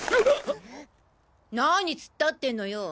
何突っ立ってんのよ。